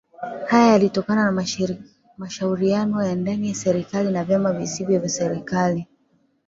Haya yalitokana na mashauriano ya ndani ya serikali na vyama visivyo vya kiserikali